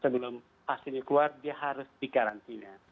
sebelum hasilnya keluar dia harus dikarantina